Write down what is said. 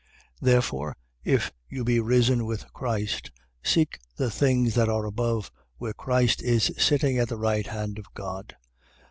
3:1. Therefore if you be risen with Christ, seek the things that are above, where Christ is sitting at the right hand of God.